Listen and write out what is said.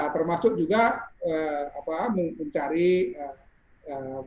termasuk juga mencari jawaban